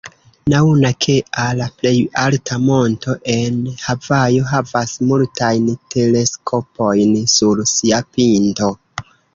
Mauna Kea, la plej alta monto en Havajo, havas multajn teleskopojn sur sia pinto.